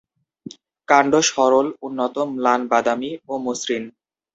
কাণ্ড সরল, উন্নত, ম্লান-বাদামি ও মসৃণ।